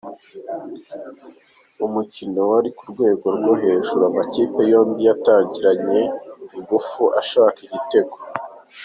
Mu mukino wari uri ku rwego rwo hejuru, amakipe yombi yatangiranye inguvu ashaka igitego.